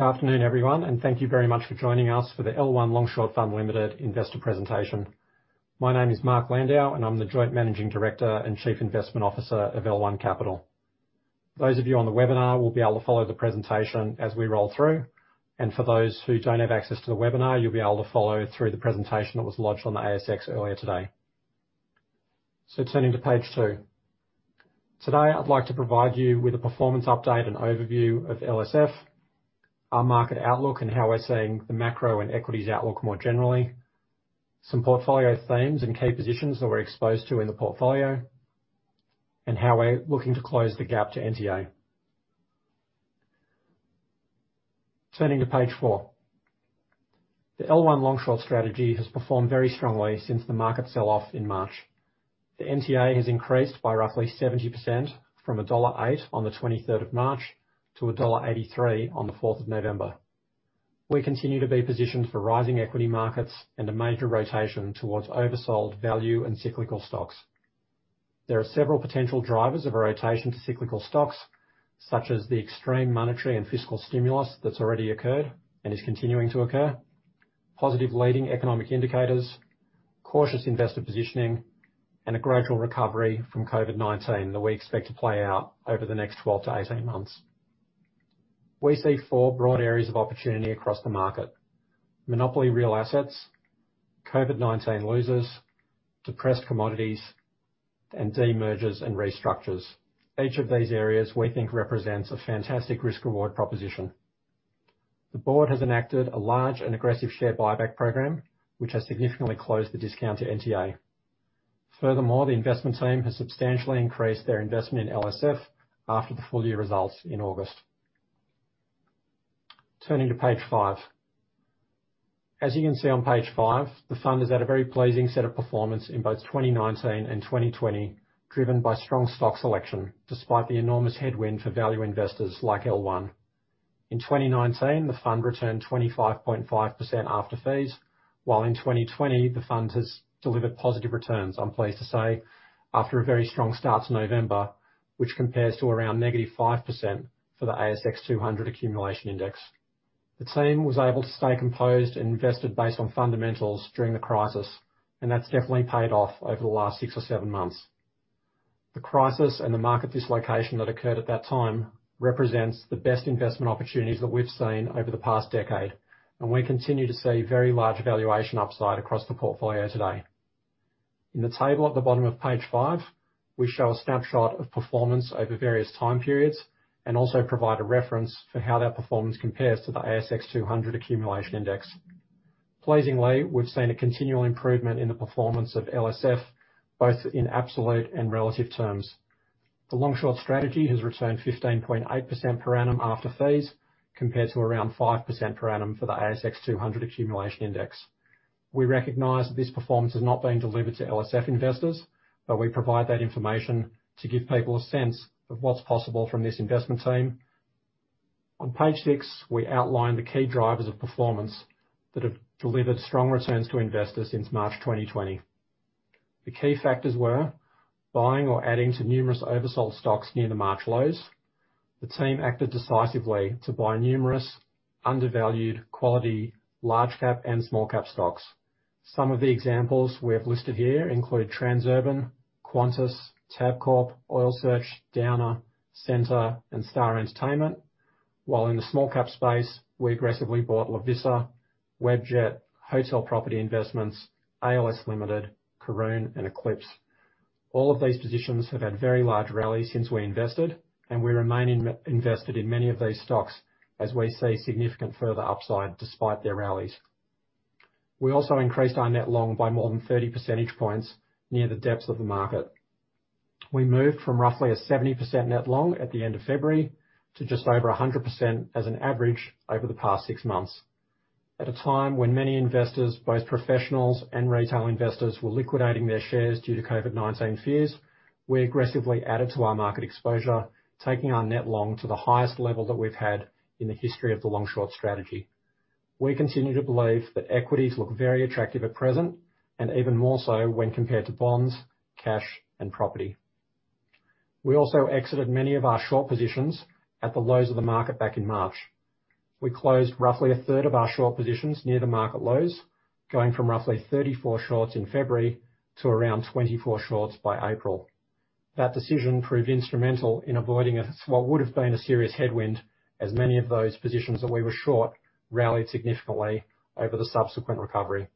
Good afternoon, everyone. Thank you very much for joining us for the L1 Long Short Fund Limited investor presentation. My name is Mark Landau. I'm the Joint Managing Director and Chief Investment Officer of L1 Capital. Those of you on the webinar will be able to follow the presentation as we roll through. For those who don't have access to the webinar, you'll be able to follow through the presentation that was lodged on the ASX earlier today. Turning to page two. Today, I'd like to provide you with a performance update and overview of LSF, our market outlook, and how we're seeing the macro and equities outlook more generally, some portfolio themes and key positions that we're exposed to in the portfolio, and how we're looking to close the gap to NTA. Turning to page four. The L1 Long Short strategy has performed very strongly since the market sell-off in March. The NTA has increased by roughly 70% from dollar 1.8 on the 23rd of March to dollar 1.83 on the 4th of November. We continue to be positioned for rising equity markets and a major rotation towards oversold value and cyclical stocks. There are several potential drivers of a rotation to cyclical stocks, such as the extreme monetary and fiscal stimulus that's already occurred and is continuing to occur, positive leading economic indicators, cautious investor positioning, and a gradual recovery from COVID-19 that we expect to play out over the next 12-18 months. We see four broad areas of opportunity across the market. Monopoly real assets, COVID-19 losers, depressed commodities, and demergers and restructures. Each of these areas we think represents a fantastic risk/reward proposition. The board has enacted a large and aggressive share buyback program, which has significantly closed the discount to NTA. Furthermore, the investment team has substantially increased their investment in LSF after the full year results in August. Turning to page five. As you can see on page five, the fund has had a very pleasing set of performance in both 2019 and 2020, driven by strong stock selection, despite the enormous headwind for value investors like L1. In 2019, the fund returned 25.5% after fees, while in 2020, the fund has delivered positive returns, I'm pleased to say, after a very strong start to November, which compares to around -5% for the ASX 200 accumulation index. The team was able to stay composed and invested based on fundamentals during the crisis, and that's definitely paid off over the last six or seven months. The crisis and the market dislocation that occurred at that time represents the best investment opportunities that we've seen over the past decade, and we continue to see very large valuation upside across the portfolio today. In the table at the bottom of page five, we show a snapshot of performance over various time periods and also provide a reference for how that performance compares to the ASX 200 accumulation index. Pleasingly, we've seen a continual improvement in the performance of LSF, both in absolute and relative terms. The Long Short strategy has returned 15.8% per annum after fees, compared to around 5% per annum for the ASX 200 accumulation index. We recognize this performance has not been delivered to LSF investors, but we provide that information to give people a sense of what's possible from this investment team. On page six, we outline the key drivers of performance that have delivered strong returns to investors since March 2020. The key factors were buying or adding to numerous oversold stocks near the March lows. The team acted decisively to buy numerous undervalued quality large cap and small cap stocks. Some of the examples we have listed here include Transurban, Qantas, Tabcorp, Oil Search, Downer, Scentre, and Star Entertainment. While in the small cap space, we aggressively bought Lovisa, Webjet, Hotel Property Investments, EOS Limited, Karoon, and Eclipx. All of these positions have had very large rallies since we invested, and we remain invested in many of these stocks as we see significant further upside despite their rallies. We also increased our net long by more than 30 percentage points near the depths of the market. We moved from roughly a 70% net long at the end of February to just over 100% as an average over the past six months. At a time when many investors, both professionals and retail investors, were liquidating their shares due to COVID-19 fears, we aggressively added to our market exposure, taking our net long to the highest level that we've had in the history of the Long Short strategy. We continue to believe that equities look very attractive at present, even more so when compared to bonds, cash, and property. We also exited many of our short positions at the lows of the market back in March. We closed roughly 1/3 of our short positions near the market lows, going from roughly 34 shorts in February to around 24 shorts by April. That decision proved instrumental in avoiding what would have been a serious headwind as many of those positions that we were short rallied significantly over the subsequent recovery.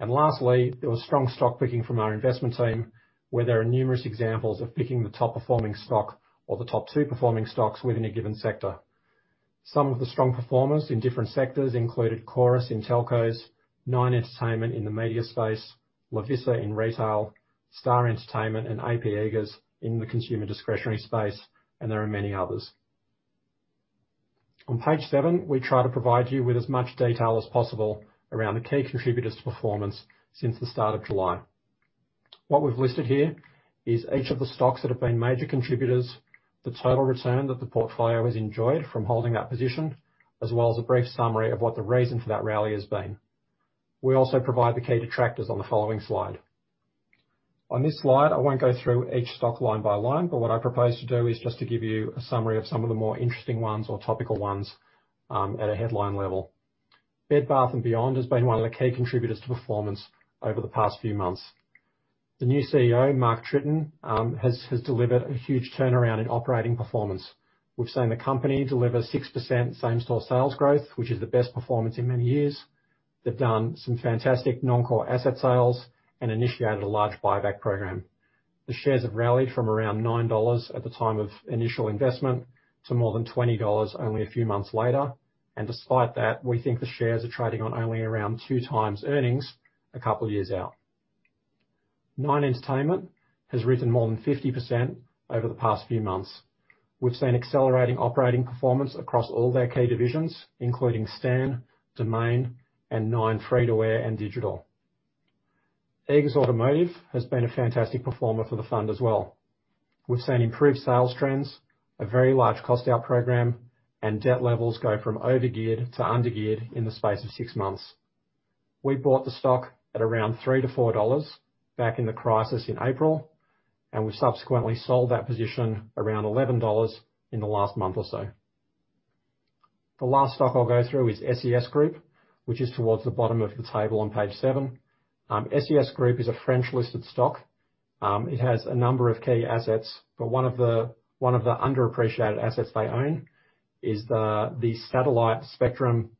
Lastly, there was strong stock picking from our investment team, where there are numerous examples of picking the top-performing stock or the top two performing stocks within a given sector. Some of the strong performers in different sectors included Chorus in telcos, Nine Entertainment in the media space, Lovisa in retail, Star Entertainment and AP Eagers in the consumer discretionary space, and there are many others. On page seven, we try to provide you with as much detail as possible around the key contributors to performance since the start of July. What we've listed here is each of the stocks that have been major contributors, the total return that the portfolio has enjoyed from holding that position, as well as a brief summary of what the reason for that rally has been. We also provide the key detractors on the following slide. On this slide, I won't go through each stock line by line. What I propose to do is just to give you a summary of some of the more interesting ones or topical ones, at a headline level. Bed Bath & Beyond has been one of the key contributors to performance over the past few months. The new CEO, Mark Tritton, has delivered a huge turnaround in operating performance. We've seen the company deliver 6% same-store sales growth, which is the best performance in many years. They've done some fantastic non-core asset sales and initiated a large buyback program. The shares have rallied from around 9 dollars at the time of initial investment to more than 20 dollars only a few months later. Despite that, we think the shares are trading on only around 2x earnings a couple of years out. Nine Entertainment has risen more than 50% over the past few months. We've seen accelerating operating performance across all their key divisions, including Stan, Domain, and Nine free-to-air and digital. Eagers Automotive has been a fantastic performer for the fund as well. We've seen improved sales trends, a very large cost-out program, and debt levels go from over-geared to under-geared in the space of six months. We bought the stock at around 3-4 dollars back in the crisis in April, we subsequently sold that position around 11 dollars in the last month or so. The last stock I'll go through is SES Group, which is towards the bottom of the table on page seven. SES Group is a French-listed stock. It has a number of key assets, but one of the underappreciated assets they own is the satellite spectrum,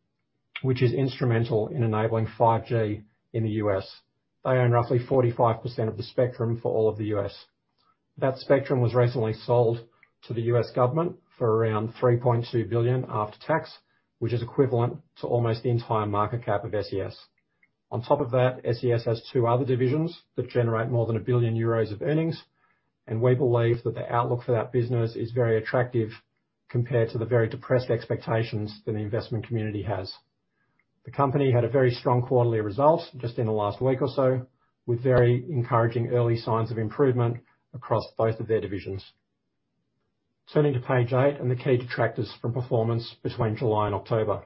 which is instrumental in enabling 5G in the U.S. They own roughly 45% of the spectrum for all of the U.S. That spectrum was recently sold to the U.S. government for around 3.2 billion after tax, which is equivalent to almost the entire market cap of SES. On top of that, SES has two other divisions that generate more than 1 billion euros of earnings, and we believe that the outlook for that business is very attractive compared to the very depressed expectations that the investment community has. The company had a very strong quarterly result just in the last week or so, with very encouraging early signs of improvement across both of their divisions. Turning to page eight and the key detractors from performance between July and October.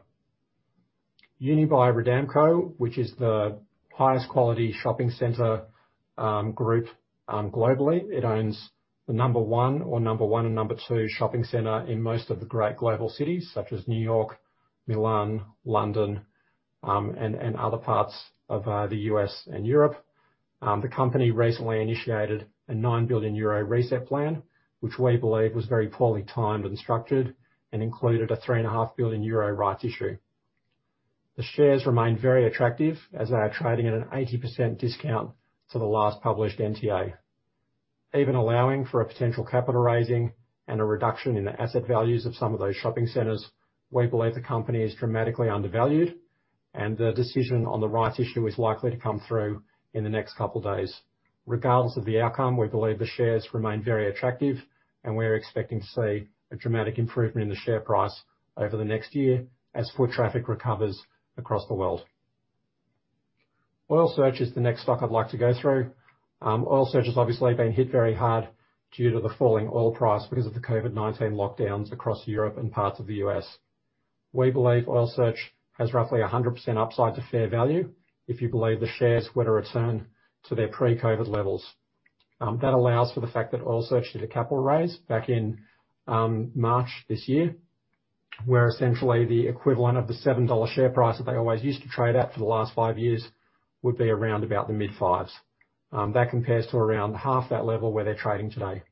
Unibail-Rodamco, which is the highest quality shopping center group globally. It owns the number one or number one and number two shopping center in most of the great global cities, such as New York, Milan, London, and other parts of the U.S. and Europe. The company recently initiated a 9 billion euro reset plan, which we believe was very poorly timed and structured and included a 3.5 billion euro rights issue. The shares remain very attractive as they are trading at an 80% discount to the last published NTA. Even allowing for a potential capital raising and a reduction in the asset values of some of those shopping centers, we believe the company is dramatically undervalued and the decision on the rights issue is likely to come through in the next couple of days. Regardless of the outcome, we believe the shares remain very attractive, and we're expecting to see a dramatic improvement in the share price over the next year as foot traffic recovers across the world. Oil Search is the next stock I'd like to go through. Oil Search has obviously been hit very hard due to the falling oil price because of the COVID-19 lockdowns across Europe and parts of the U.S. We believe Oil Search has roughly 100% upside to fair value if you believe the shares were to return to their pre-COVID levels. That allows for the fact that Oil Search did a capital raise back in March this year, where essentially the equivalent of the 7 dollar share price that they always used to trade at for the last five years would be around about the mid-fives. That compares to around half that level where they're trading today.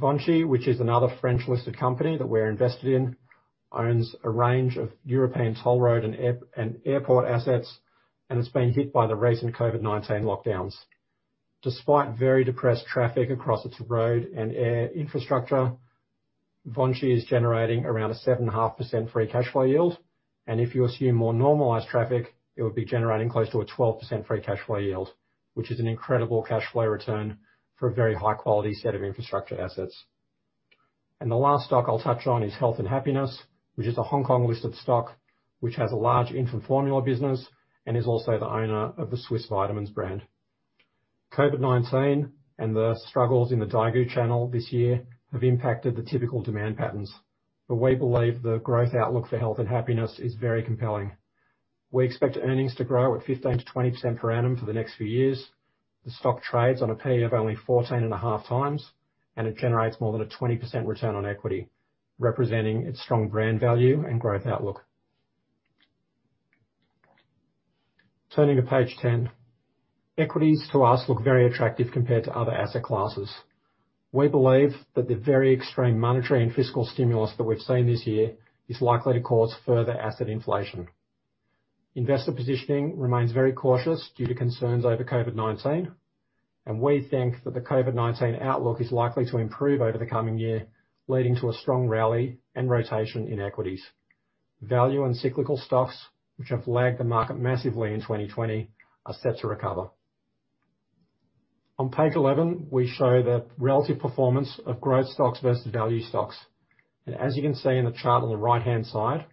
VINCI, which is another French-listed company that we're invested in, owns a range of European toll road and airport assets, and it's been hit by the recent COVID-19 lockdowns. Despite very depressed traffic across its road and air infrastructure, VINCI is generating around a 7.5% free cash flow yield, and if you assume more normalized traffic, it would be generating close to a 12% free cash flow yield, which is an incredible cash flow return for a very high-quality set of infrastructure assets. The last stock I'll touch on is Health and Happiness, which is a Hong Kong-listed stock, which has a large infant formula business and is also the owner of the Swisse vitamins brand. COVID-19 and the struggles in the Daigou channel this year have impacted the typical demand patterns, but we believe the growth outlook for Health and Happiness is very compelling. We expect earnings to grow at 15%-20% per annum for the next few years. The stock trades on a PE of only 14.5 times, and it generates more than a 20% return on equity, representing its strong brand value and growth outlook. Turning to page 10. Equities, to us, look very attractive compared to other asset classes. We believe that the very extreme monetary and fiscal stimulus that we've seen this year is likely to cause further asset inflation. Investor positioning remains very cautious due to concerns over COVID-19. We think that the COVID-19 outlook is likely to improve over the coming year, leading to a strong rally and rotation in equities. Value and cyclical stocks, which have lagged the market massively in 2020, are set to recover. On page 11, we show the relative performance of growth stocks versus value stocks. As you can see in the chart on the right-hand side,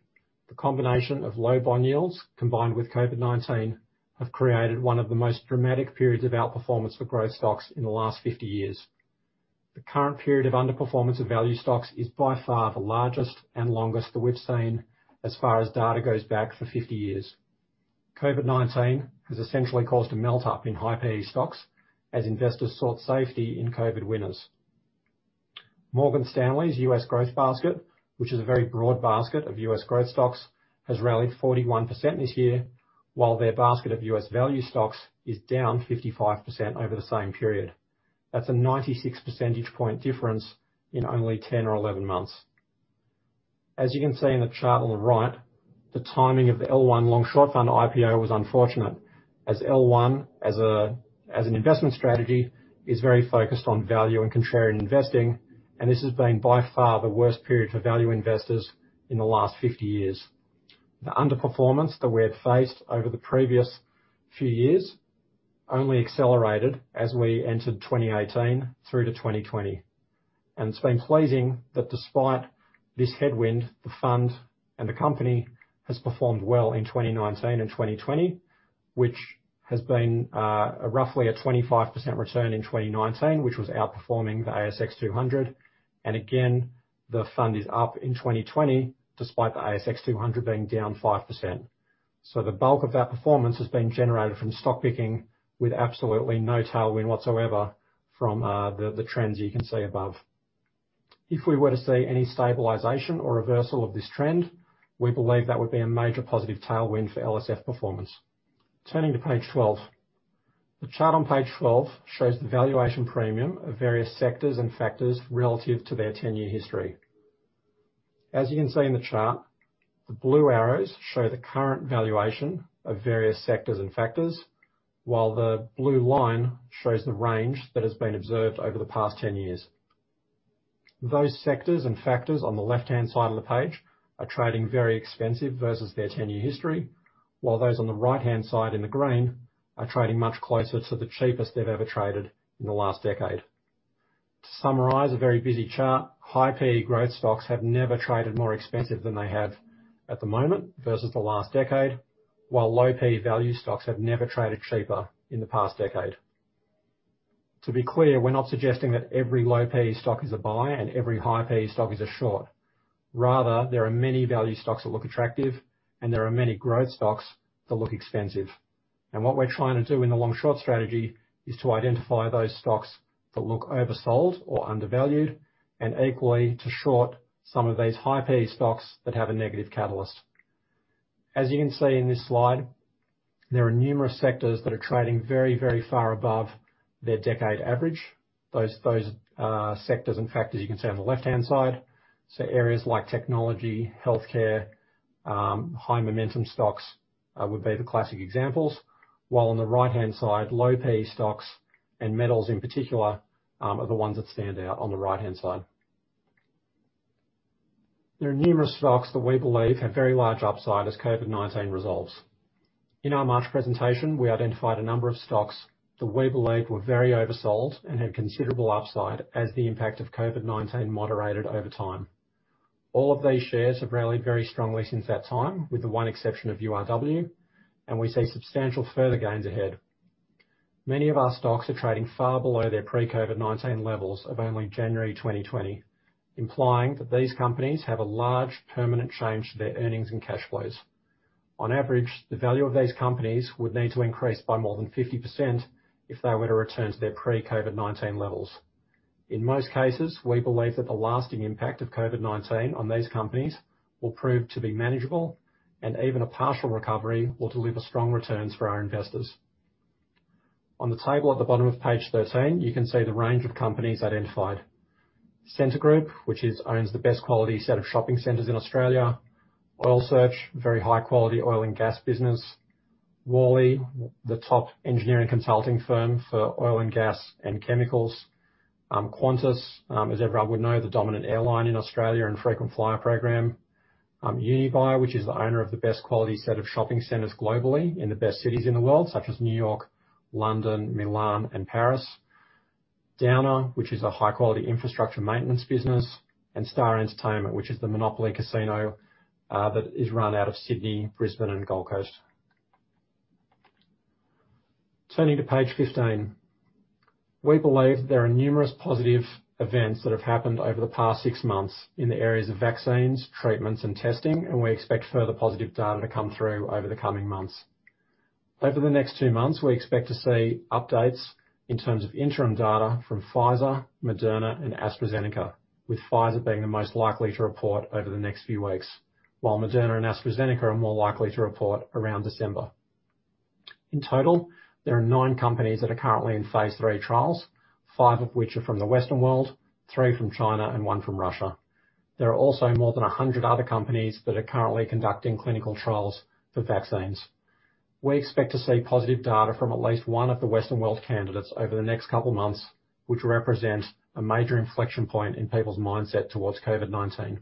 the combination of low bond yields combined with COVID-19 have created one of the most dramatic periods of outperformance for growth stocks in the last 50 years. The current period of underperformance of value stocks is by far the largest and longest that we've seen as far as data goes back for 50 years. COVID-19 has essentially caused a melt-up in high PE stocks as investors sought safety in COVID winners. Morgan Stanley's U.S. Growth Basket, which is a very broad basket of U.S. growth stocks, has rallied 41% this year, while their basket of U.S. value stocks is down 55% over the same period. That's a 96 percentage point difference in only 10 or 11 months. As you can see in the chart on the right, the timing of the L1 Long Short Fund IPO was unfortunate, as L1 as an investment strategy, is very focused on value and contrarian investing, and this has been by far the worst period for value investors in the last 50 years. The underperformance that we have faced over the previous few years only accelerated as we entered 2018 through to 2020. It's been pleasing that despite this headwind, the fund and the company has performed well in 2019 and 2020, which has been roughly a 25% return in 2019, which was outperforming the ASX 200. Again, the fund is up in 2020 despite the ASX 200 being down 5%. The bulk of that performance has been generated from stock picking with absolutely no tailwind whatsoever from the trends you can see above. If we were to see any stabilization or reversal of this trend, we believe that would be a major positive tailwind for LSF performance. Turning to page 12. The chart on page 12 shows the valuation premium of various sectors and factors relative to their 10-year history. As you can see in the chart, the blue arrows show the current valuation of various sectors and factors, while the blue line shows the range that has been observed over the past 10 years. Those sectors and factors on the left-hand side of the page, are trading very expensive versus their 10-year history, while those on the right-hand side in the green, are trading much closer to the cheapest they've ever traded in the last decade. To summarize a very busy chart, high PE growth stocks have never traded more expensive than they have at the moment versus the last decade, while low PE value stocks have never traded cheaper in the past decade. To be clear, we're not suggesting that every low PE stock is a buy and every high PE stock is a short. There are many value stocks that look attractive and there are many growth stocks that look expensive. What we're trying to do in the long short strategy is to identify those stocks that look oversold or undervalued, and equally to short some of these high PE stocks that have a negative catalyst. As you can see in this slide, there are numerous sectors that are trading very, very far above their decade average. Those sectors and factors you can see on the left-hand side, areas like technology, healthcare, high momentum stocks would be the classic examples. On the right-hand side, low PE stocks and metals in particular, are the ones that stand out on the right-hand side. There are numerous stocks that we believe have very large upside as COVID-19 resolves. In our March presentation, we identified a number of stocks that we believe were very oversold and had considerable upside as the impact of COVID-19 moderated over time. All of these shares have rallied very strongly since that time, with the one exception of URW, and we see substantial further gains ahead. Many of our stocks are trading far below their pre-COVID-19 levels of only January 2020, implying that these companies have a large permanent change to their earnings and cash flows. On average, the value of these companies would need to increase by more than 50% if they were to return to their pre-COVID-19 levels. In most cases, we believe that the lasting impact of COVID-19 on these companies will prove to be manageable, and even a partial recovery will deliver strong returns for our investors. On the table at the bottom of page 13, you can see the range of companies identified. Scentre Group, which owns the best quality set of shopping centers in Australia. Oil Search, very high quality oil and gas business. Worley, the top engineering consulting firm for oil and gas and chemicals. Qantas, as everyone would know, the dominant airline in Australia and frequent flyer program. Unibail, which is the owner of the best quality set of shopping centers globally in the best cities in the world, such as New York, London, Milan and Paris. Downer, which is a high-quality infrastructure maintenance business, and Star Entertainment, which is the monopoly casino that is run out of Sydney, Brisbane and Gold Coast. Turning to page 15. We believe there are numerous positive events that have happened over the past six months in the areas of vaccines, treatments and testing, and we expect further positive data to come through over the coming months. Over the next two months, we expect to see updates in terms of interim data from Pfizer, Moderna and AstraZeneca, with Pfizer being the most likely to report over the next few weeks, while Moderna and AstraZeneca are more likely to report around December. In total, there are nine companies that are currently in phase III trials, five of which are from the Western world, three from China and one from Russia. There are also more than 100 other companies that are currently conducting clinical trials for vaccines. We expect to see positive data from at least one of the Western world candidates over the next couple of months, which represents a major inflection point in people's mindset towards COVID-19.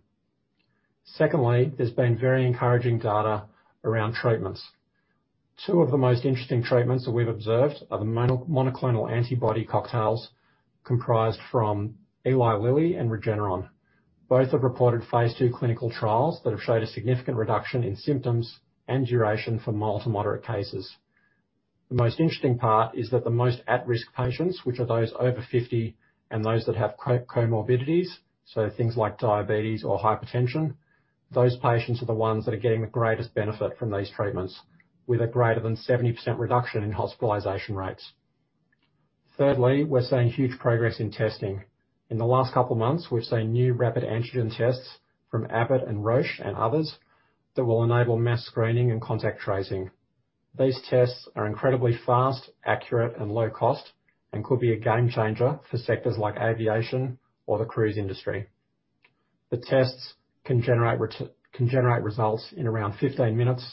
Secondly, there's been very encouraging data around treatments. Two of the most interesting treatments that we've observed are the monoclonal antibody cocktails comprised from Eli Lilly and Regeneron. Both have reported phase II clinical trials that have showed a significant reduction in symptoms and duration for mild to moderate cases. The most interesting part is that the most at-risk patients, which are those over 50 and those that have comorbidities, so things like diabetes or hypertension, those patients are the ones that are getting the greatest benefit from these treatments, with a greater than 70% reduction in hospitalization rates. Thirdly, we're seeing huge progress in testing. In the last couple of months, we've seen new rapid antigen tests from Abbott and Roche and others that will enable mass screening and contact tracing. These tests are incredibly fast, accurate, and low cost, and could be a game changer for sectors like aviation or the cruise industry. The tests can generate results in around 15 minutes.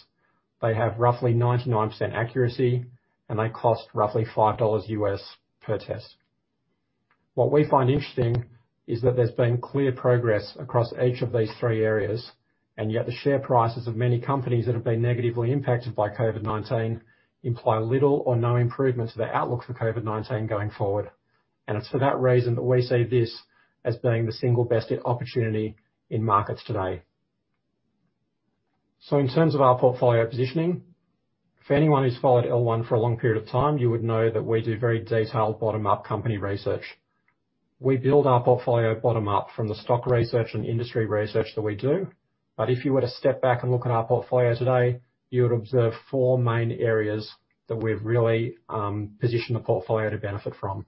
They have roughly 99% accuracy, and they cost roughly $5 per test. Yet the share prices of many companies that have been negatively impacted by COVID-19 imply little or no improvement to the outlook for COVID-19 going forward. It's for that reason that we see this as being the single best opportunity in markets today. In terms of our portfolio positioning, for anyone who's followed L1 for a long period of time, you would know that we do very detailed bottom-up company research. We build our portfolio bottom-up from the stock research and industry research that we do. If you were to step back and look at our portfolio today, you would observe four main areas that we've really positioned the portfolio to benefit from.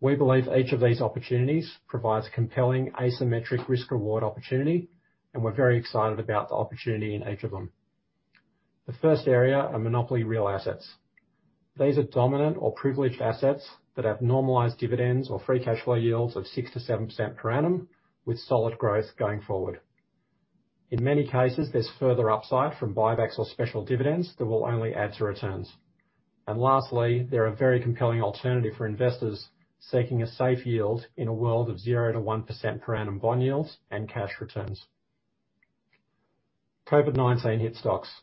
We believe each of these opportunities provides compelling asymmetric risk-reward opportunity, and we're very excited about the opportunity in each of them. The first area are monopoly real assets. These are dominant or privileged assets that have normalized dividends or free cash flow yields of 6%-7% per annum with solid growth going forward. In many cases, there's further upside from buybacks or special dividends that will only add to returns. Lastly, they're a very compelling alternative for investors seeking a safe yield in a world of 0%-1% per annum bond yields and cash returns. COVID-19 hit stocks.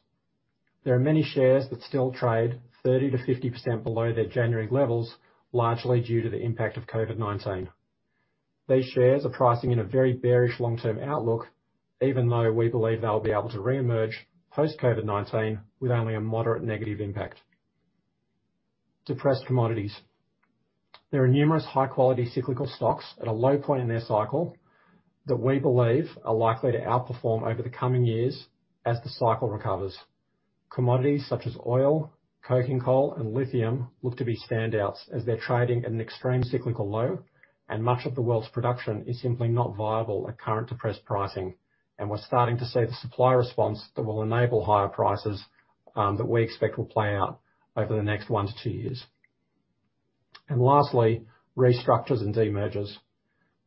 There are many shares that still trade 30%-50% below their January levels, largely due to the impact of COVID-19. These shares are pricing in a very bearish long-term outlook, even though we believe they'll be able to reemerge post-COVID-19 with only a moderate negative impact. Depressed commodities. There are numerous high-quality cyclical stocks at a low point in their cycle that we believe are likely to outperform over the coming years as the cycle recovers. Commodities such as oil, coking coal, and lithium look to be standouts as they're trading at an extreme cyclical low, and much of the world's production is simply not viable at current depressed pricing, and we're starting to see the supply response that will enable higher prices that we expect will play out over the next one to two years. Lastly, restructures and demergers.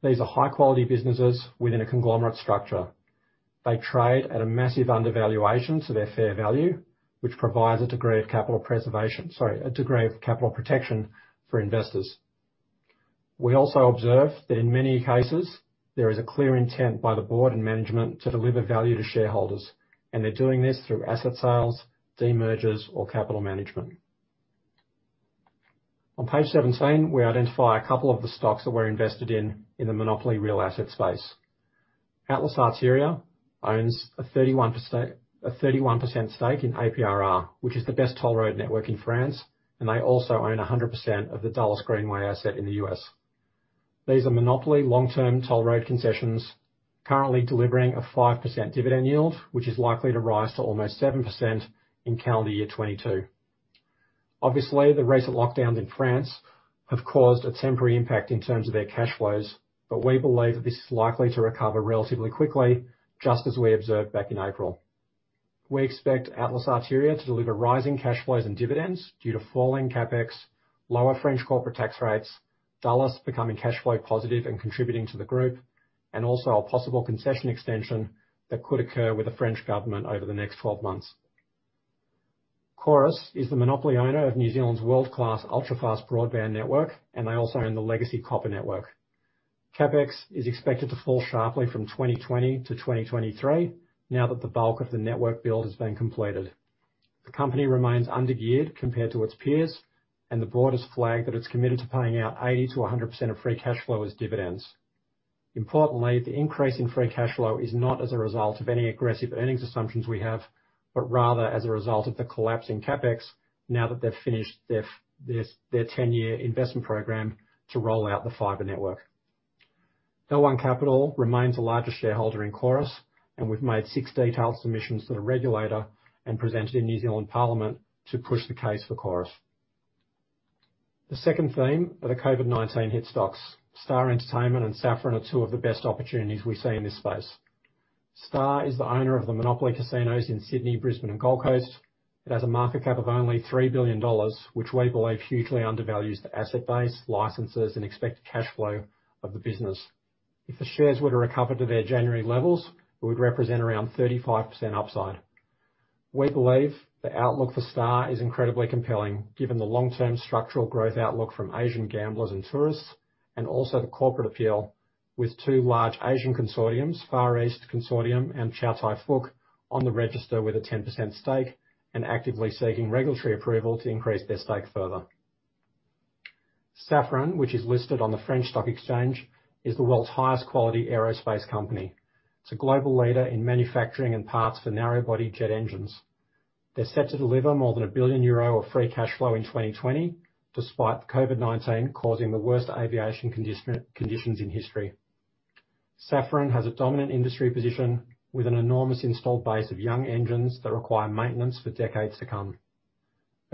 These are high-quality businesses within a conglomerate structure. They trade at a massive undervaluation to their fair value, which provides a degree of capital preservation, sorry, a degree of capital protection for investors. We also observe that in many cases, there is a clear intent by the board and management to deliver value to shareholders, and they're doing this through asset sales, demergers or capital management. On page 17, we identify a couple of the stocks that we're invested in the monopoly real asset space. Atlas Arteria owns a 31% stake in APRR, which is the best toll road network in France, and they also own 100% of the Dulles Greenway asset in the U.S. These are monopoly long-term toll road concessions, currently delivering a 5% dividend yield, which is likely to rise to almost 7% in calendar year 2022. Obviously, the recent lockdowns in France have caused a temporary impact in terms of their cash flows, but we believe this is likely to recover relatively quickly, just as we observed back in April. We expect Atlas Arteria to deliver rising cash flows and dividends due to falling CapEx, lower French corporate tax rates, Dulles becoming cash flow positive and contributing to the group, and also a possible concession extension that could occur with the French government over the next 12 months. Chorus is the monopoly owner of New Zealand's world-class ultra-fast broadband network, and they also own the legacy copper network. CapEx is expected to fall sharply from 2020-2023 now that the bulk of the network build has been completed. The company remains under-geared compared to its peers, and the board has flagged that it's committed to paying out 80%-100% of free cash flow as dividends. Importantly, the increase in free cash flow is not as a result of any aggressive earnings assumptions we have, but rather as a result of the collapse in CapEx now that they've finished their 10-year investment program to roll out the fiber network. L1 Capital remains the largest shareholder in Chorus, and we've made six detailed submissions to the regulator and presented in New Zealand Parliament to push the case for Chorus. The second theme are the COVID-19 hit stocks. Star Entertainment and Safran are two of the best opportunities we see in this space. Star is the owner of the monopoly casinos in Sydney, Brisbane, and Gold Coast. It has a market cap of only 3 billion dollars, which we believe hugely undervalues the asset base, licenses, and expected cash flow of the business. If the shares were to recover to their January levels, it would represent around 35% upside. We believe the outlook for Star is incredibly compelling given the long-term structural growth outlook from Asian gamblers and tourists, and also the corporate appeal with two large Asian consortiums, Far East Consortium and Chow Tai Fook, on the register with a 10% stake and actively seeking regulatory approval to increase their stake further. Safran, which is listed on the French stock exchange, is the world's highest quality aerospace company. It's a global leader in manufacturing and parts for narrow-body jet engines. They're set to deliver more than 1 billion euro of free cash flow in 2020, despite COVID-19 causing the worst aviation conditions in history. Safran has a dominant industry position with an enormous installed base of young engines that require maintenance for decades to come.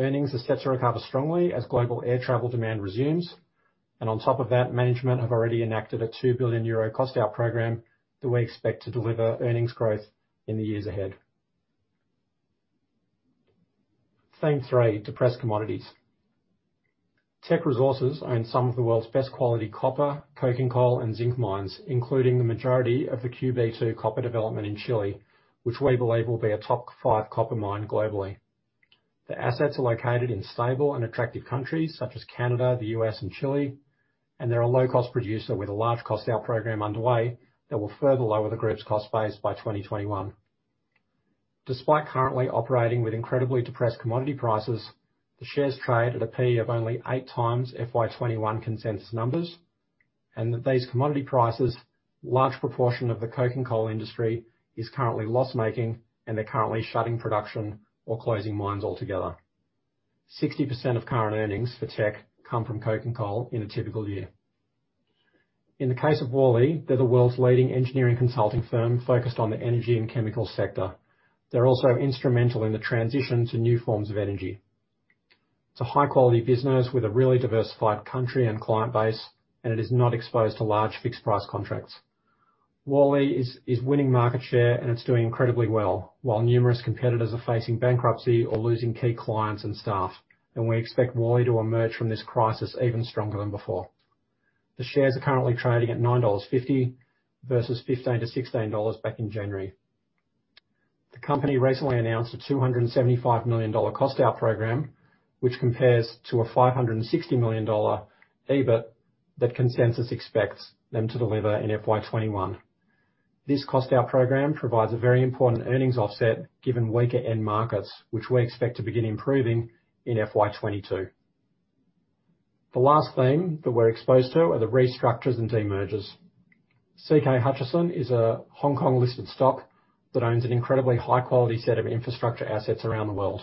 Earnings are set to recover strongly as global air travel demand resumes, and on top of that, management have already enacted a 2 billion euro cost out program that we expect to deliver earnings growth in the years ahead. Theme 3, depressed commodities. Teck Resources own some of the world's best quality copper, coking coal, and zinc mines, including the majority of the Quebrada copper development in Chile, which we believe will be a top five copper mine globally. The assets are located in stable and attractive countries such as Canada, the U.S., and Chile, and they're a low-cost producer with a large cost out program underway that will further lower the group's cost base by 2021. Despite currently operating with incredibly depressed commodity prices, the shares trade at a PE of only eight times FY2021 consensus numbers, and at these commodity prices, large proportion of the coking coal industry is currently loss-making and they're currently shutting production or closing mines altogether. 60% of current earnings for Teck come from coking coal in a typical year. In the case of Worley, they're the world's leading engineering consulting firm focused on the energy and chemical sector. They're also instrumental in the transition to new forms of energy. It's a high-quality business with a really diversified country and client base, and it is not exposed to large fixed price contracts. Worley is winning market share, and it's doing incredibly well while numerous competitors are facing bankruptcy or losing key clients and staff. We expect Worley to emerge from this crisis even stronger than before. The shares are currently trading at 9.50 dollars versus 15-16 dollars back in January. The company recently announced an 275 million dollar cost out program, which compares to an 560 million dollar EBIT that consensus expects them to deliver in FY 2021. This cost out program provides a very important earnings offset given weaker end markets, which we expect to begin improving in FY 2022. The last theme that we're exposed to are the restructures and demergers. CK Hutchison is a Hong Kong-listed stock that owns an incredibly high-quality set of infrastructure assets around the world.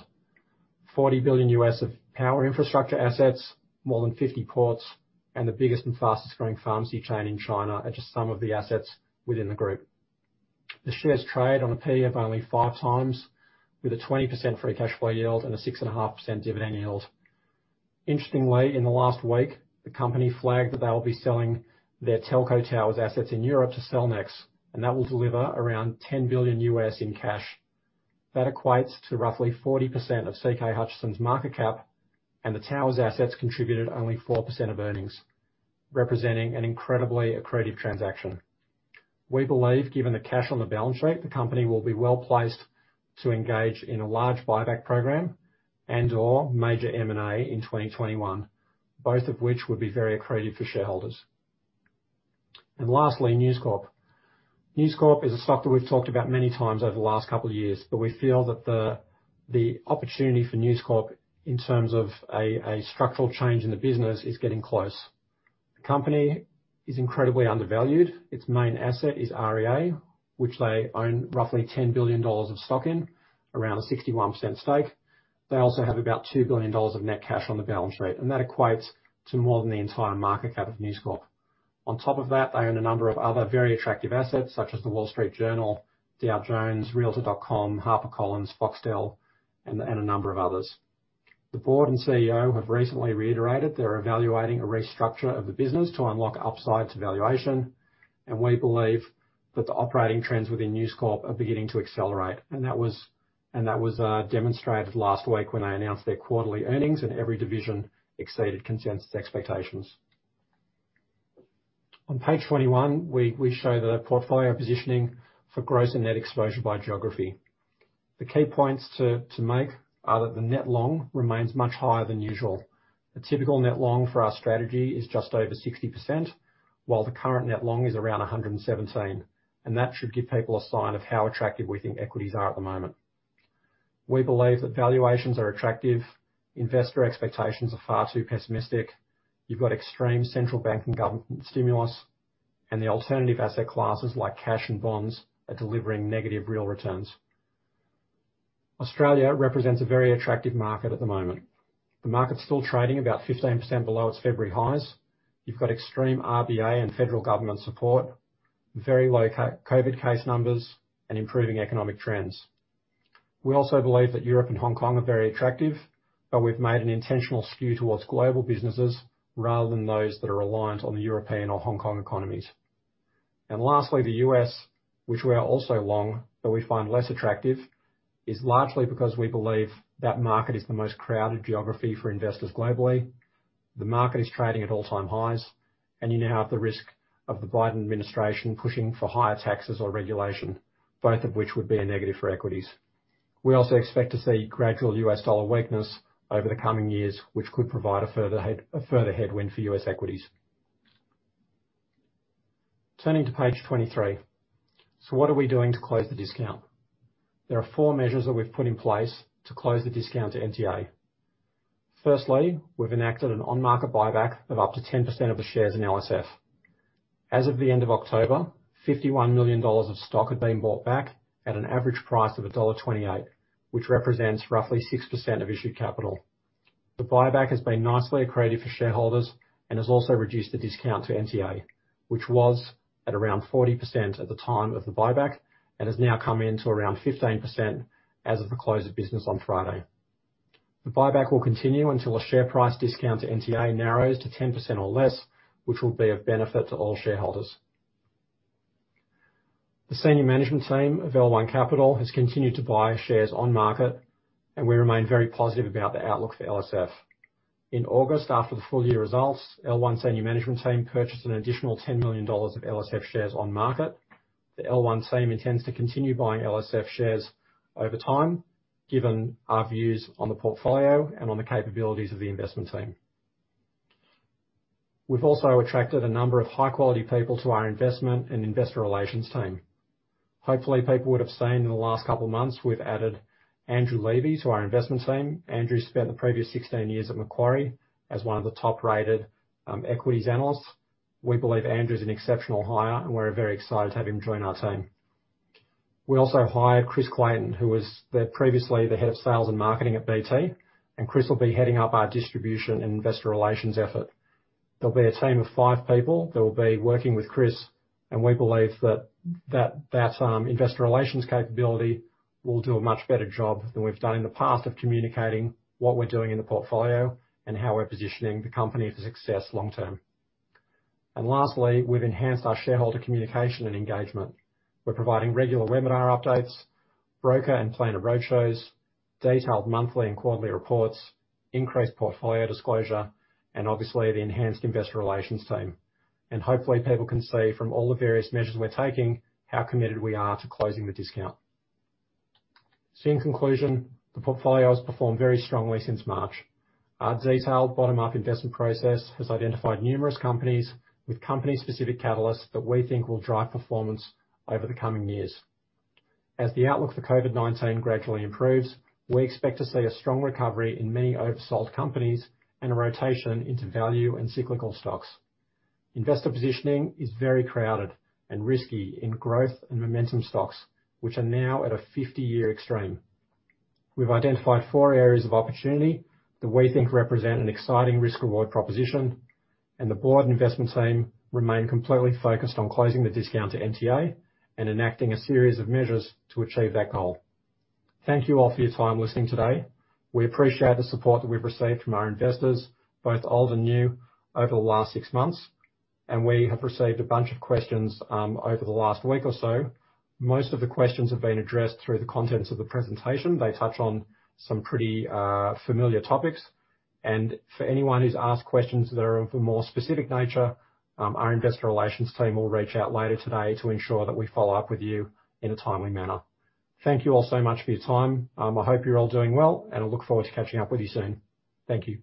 $40 billion of power infrastructure assets, more than 50 ports, and the biggest and fastest-growing pharmacy chain in China are just some of the assets within the group. The shares trade on a PE of only five times with a 20% free cash flow yield and a 6.5% dividend yield. Interestingly, in the last week, the company flagged that they'll be selling their telco towers assets in Europe to Cellnex. That will deliver around $10 billion in cash. That equates to roughly 40% of CK Hutchison's market cap. The towers assets contributed only 4% of earnings, representing an incredibly accretive transaction. We believe, given the cash on the balance sheet, the company will be well-placed to engage in a large buyback program and/or major M&A in 2021, both of which would be very accretive for shareholders. Lastly, News Corp. News Corp is a stock that we've talked about many times over the last couple of years. We feel that the opportunity for News Corp in terms of a structural change in the business is getting close. The company is incredibly undervalued. Its main asset is REA, which they own roughly 10 billion dollars of stock in, around a 61% stake. They also have about 2 billion dollars of net cash on the balance sheet, and that equates to more than the entire market cap of News Corp. On top of that, they own a number of other very attractive assets, such as The Wall Street Journal, Dow Jones, realtor.com, HarperCollins, Foxtel, and a number of others. The board and CEO have recently reiterated they're evaluating a restructure of the business to unlock upside to valuation, and we believe that the operating trends within News Corp are beginning to accelerate, and that was demonstrated last week when they announced their quarterly earnings and every division exceeded consensus expectations. On page 21, we show the portfolio positioning for gross and net exposure by geography. The key points to make are that the net long remains much higher than usual. The typical net long for our strategy is just over 60%, while the current net long is around 117, and that should give people a sign of how attractive we think equities are at the moment. We believe that valuations are attractive. Investor expectations are far too pessimistic. You've got extreme central bank and government stimulus, and the alternative asset classes like cash and bonds are delivering negative real returns. Australia represents a very attractive market at the moment. The market's still trading about 15% below its February highs. You've got extreme RBA and federal government support, very low COVID case numbers, and improving economic trends. We also believe that Europe and Hong Kong are very attractive, but we've made an intentional skew towards global businesses rather than those that are reliant on the European or Hong Kong economies. Lastly, the U.S., which we are also long, but we find less attractive, is largely because we believe that market is the most crowded geography for investors globally. The market is trading at all-time highs, and you now have the risk of the Biden administration pushing for higher taxes or regulation, both of which would be a negative for equities. We also expect to see gradual US dollar weakness over the coming years, which could provide a further headwind for U.S. equities. Turning to page 23. What are we doing to close the discount? There are four measures that we've put in place to close the discount to NTA. We've enacted an on-market buyback of up to 10% of the shares in LSF. As of the end of October, 51 million dollars of stock had been bought back at an average price of dollar 1.28, which represents roughly 6% of issued capital. The buyback has been nicely accretive for shareholders and has also reduced the discount to NTA, which was at around 40% at the time of the buyback and has now come in to around 15% as of the close of business on Friday. The buyback will continue until a share price discount to NTA narrows to 10% or less, which will be of benefit to all shareholders. The senior management team of L1 Capital has continued to buy shares on market, and we remain very positive about the outlook for LSF. In August, after the full year results, L1 senior management team purchased an additional 10 million dollars of LSF shares on market. The L1 team intends to continue buying LSF shares over time, given our views on the portfolio and on the capabilities of the investment team. We've also attracted a number of high-quality people to our investment and investor relations team. Hopefully, people would have seen in the last couple of months, we've added Andrew Levy to our investment team. Andrew spent the previous 16 years at Macquarie as one of the top-rated equities analysts. We believe Andrew's an exceptional hire, we're very excited to have him join our team. We also hired Chris Clayton, who was previously the head of sales and marketing at BT, Chris will be heading up our distribution and investor relations effort. There'll be a team of five people that will be working with Chris, and we believe that that investor relations capability will do a much better job than we've done in the past of communicating what we're doing in the portfolio and how we're positioning the company for success long term. Lastly, we've enhanced our shareholder communication and engagement. We're providing regular webinar updates, broker and planner roadshows, detailed monthly and quarterly reports, increased portfolio disclosure, and obviously, the enhanced investor relations team. Hopefully people can see from all the various measures we're taking, how committed we are to closing the discount. In conclusion, the portfolio has performed very strongly since March. Our detailed bottom-up investment process has identified numerous companies with company-specific catalysts that we think will drive performance over the coming years. As the outlook for COVID-19 gradually improves, we expect to see a strong recovery in many oversold companies and a rotation into value and cyclical stocks. Investor positioning is very crowded and risky in growth and momentum stocks, which are now at a 50-year extreme. The board and investment team remain completely focused on closing the discount to NTA and enacting a series of measures to achieve that goal. Thank you all for your time listening today. We appreciate the support that we've received from our investors, both old and new, over the last six months. We have received a bunch of questions over the last week or so. Most of the questions have been addressed through the contents of the presentation. They touch on some pretty familiar topics, and for anyone who's asked questions that are of a more specific nature, our investor relations team will reach out later today to ensure that we follow up with you in a timely manner. Thank you all so much for your time. I hope you're all doing well, and I look forward to catching up with you soon. Thank you.